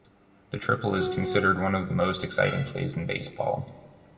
The triple is considered one of the most exciting plays in baseball.